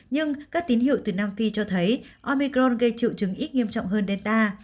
nhưng các tín hiệu từ nam phi cho thấy omicron gây triệu chứng ít nghiêm trọng hơn delta